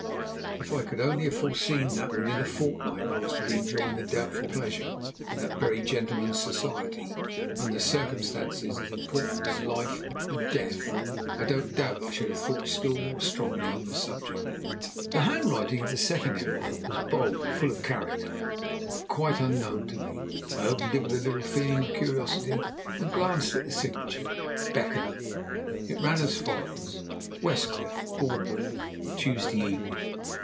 If I could only have foreseen that within a fortnight I was to be enjoying the doubtful pleasure of that very gentleman's society, under circumstances as important as life and death, I don't doubt I should have thought still more strongly on the subject. The handwriting of the second envelope was bold, full of character, but quite unknown to me. I opened it with a little feeling of curiosity, and glanced at the signature, "Beckenham." It ran as follows: "West Cliff, Bournemouth, "Tuesday Evening.